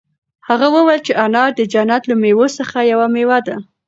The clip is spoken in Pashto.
هغه وویل چې انار د جنت له مېوو څخه یوه مېوه ده.